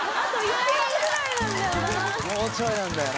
もうちょいなんだよな。